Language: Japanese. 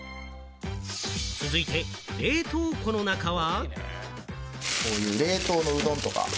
続いて冷凍庫の中は。